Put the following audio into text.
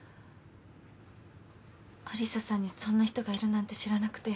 有沙さんにそんな人がいるなんて知らなくて。